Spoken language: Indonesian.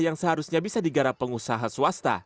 yang seharusnya bisa digarap pengusaha swasta